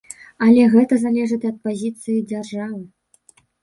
Але гэта залежыць ад пазіцыі дзяржавы.